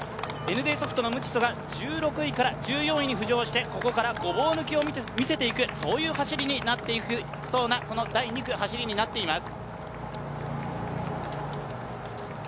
ＮＤソフトのムティソが１６位から１４位に浮上してここからごぼう抜きを見せていく、そういう走りになっていきそうな第２区の走りになっています。